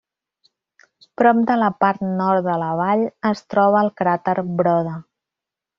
Prop de la part nord de la vall es troba el cràter Broda.